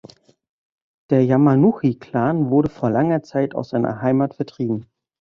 Der "Yamanouchi-Clan" wurde vor langer Zeit aus seiner Heimat vertrieben.